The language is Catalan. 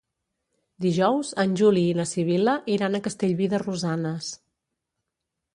Dijous en Juli i na Sibil·la iran a Castellví de Rosanes.